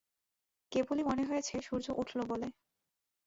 কেবলই মনে হয়েছে সূর্য উঠল বলে।